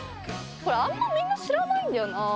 あんまみんな知らないんだよな